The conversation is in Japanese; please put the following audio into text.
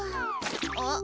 あっ？